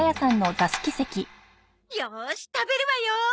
よし食べるわよ！